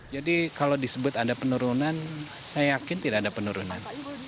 jadi kalau disebut ada penurunan saya yakin tidak ada penurunan